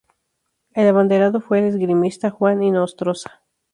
El abanderado fue el esgrimista Juan Inostroza.